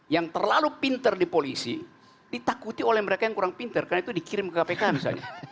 yang terlalu pinter di polisi ditakuti oleh mereka yang kurang pinter karena itu dikirim ke kpk misalnya